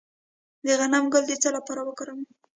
د غنم ګل د څه لپاره وکاروم؟